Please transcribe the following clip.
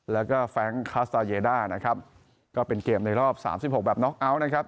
แล้วก็เนะครับก็เป็นเกมในรอบสามสิบหกแบบน็อกอัลนะครับ